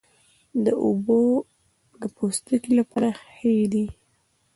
دا اوبه د پوستکي لپاره ښې دي.